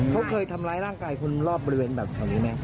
เขาเคยทำร้ายร่างกายคนรอบบริเวณแบบแถวนี้ไหม